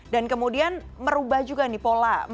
dan kemudian merubah juga nih pola